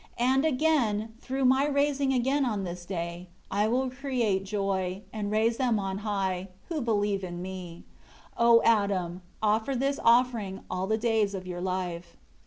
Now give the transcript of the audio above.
And, again, through My rising again on this day, will I create joy, and raise them on high, who believe in Me; O Adam, offer this offering, all the days of your life."